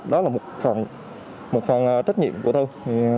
đó là một phần trách nhiệm của tôi